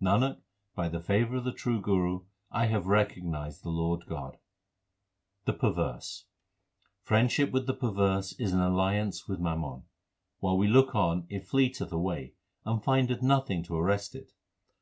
Nanak, by the favour of the true Guru I have recognized the Lord God. The perverse : Friendship with the perverse is an alliance with mammon : While we look on, it fleeth away, and findeth nothing to arrest it.